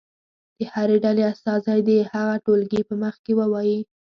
د هرې ډلې استازی دې هغه ټولګي په مخ کې ووایي.